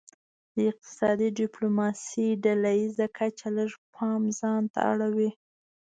د اقتصادي ډیپلوماسي ډله ایزه کچه لږ پام ځانته اړوي